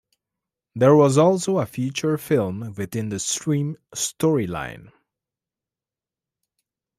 There was also a feature film within the "Stream" storyline.